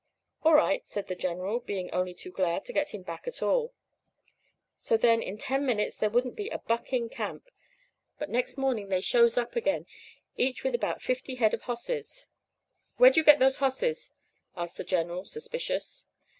"'All right,' says the General, being only too glad to get him back at all. "So, then, in ten minutes there wouldn't be a buck in camp, but next morning they shows up again, each with about fifty head of hosses. "'Where'd you get those hosses?' asks the General, suspicious.